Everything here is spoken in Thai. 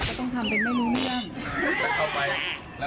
ก็ต้องทำเป็นไม่รู้เรื่อง